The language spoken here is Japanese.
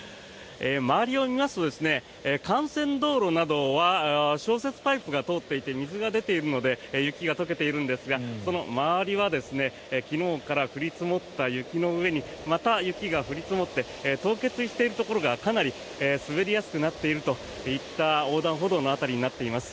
周りを見ますと幹線道路などは消雪パイプが通っていて水が出ているので雪が解けているのですがその周りは昨日から降り積もった雪の上にまた雪が降り積もって凍結しているところがかなり滑りやすくなっているといった横断歩道の辺りになっています。